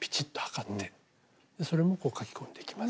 それも書き込んでいきます。